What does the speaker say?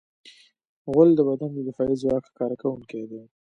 غول د بدن د دفاعي ځواک ښکاره کوونکی دی.